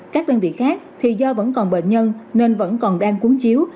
các đơn vị khác thì do vẫn còn bệnh nhân nên vẫn còn đang cúng chiếu